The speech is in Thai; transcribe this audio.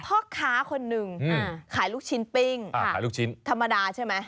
พ่อค้าคนนึงขายลูกชิ้นปิ้งอ่าขายลูกชิ้นธรรมดาใช่ไหม